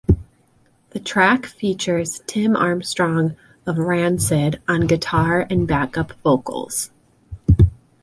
The track features Tim Armstrong of Rancid on guitar and backup vocals.